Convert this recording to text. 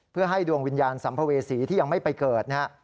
เพื่อให้ดวงวิญญาณสัมภเวษีที่ยังไม่ไปเกิดนะฮะ